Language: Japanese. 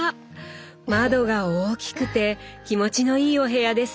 窓が大きくて気持ちのいいお部屋ですね。